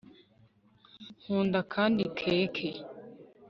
nkunda kandi keke